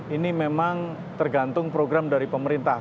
ini memang tergantung program dari pemerintah